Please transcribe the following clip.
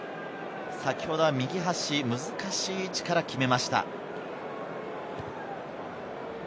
先ほど右端の難しい位置から決めました！